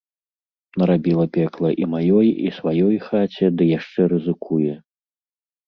Нарабіла пекла і маёй, і сваёй хаце ды яшчэ рызыкуе.